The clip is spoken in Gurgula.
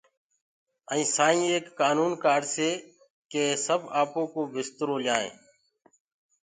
ائينٚ سائينٚ ايڪ ڪآنونٚ ڪآڙَسي ڪي سب آپو آپو بِسترو ليآئينٚ